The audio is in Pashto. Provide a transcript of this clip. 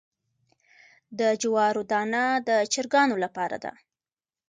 د جوارو دانه د چرګانو لپاره ده.